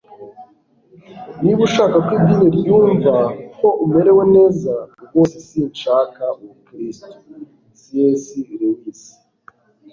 niba ushaka ko idini ryumva ko umerewe neza, rwose sinshaka ubukristo - c s lewis